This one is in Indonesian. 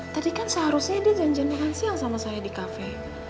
tadi kan seharusnya dia janji makan siang sama saya di kafe